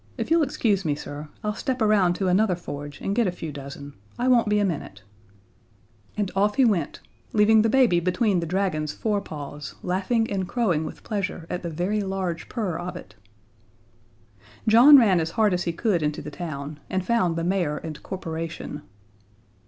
If you'll excuse me, sir, I'll step around to another forge and get a few dozen. I won't be a minute." [Illustration: "The dragon's purring pleased the baby." See page 106.] And off he went, leaving the baby between the dragon's fore paws, laughing and crowing with pleasure at the very large purr of it. John ran as hard as he could into the town, and found the mayor and corporation.